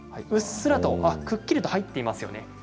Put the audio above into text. うっすらとくっきりと入っていますよね。